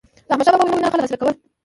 د احمدشاه بابا وینا خلک متاثره کول.